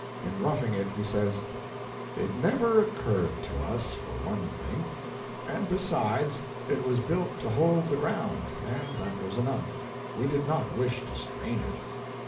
In "Roughing It" he says: "It never occurred to us, for one thing; and, besides, it was built to hold the ground, and that was enough. We did not wish to strain it."